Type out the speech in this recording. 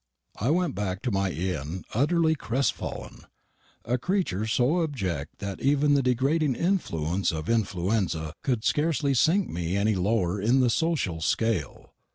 I went back to my inn utterly crestfallen a creature so abject that even the degrading influence of influenza could scarcely sink me any lower in the social scale.